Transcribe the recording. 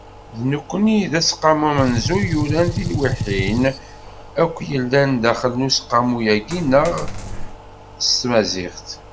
D nekkni i d Aseqqamu amenzu i yuran tilwiḥin akk yellan daxel n Useqqamu-agi-nneɣ s tmaziɣt.